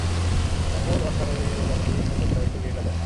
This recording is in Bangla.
অপর অশ্বারোহী দলটি ছিল কুরাইশদের গেরিলা দল।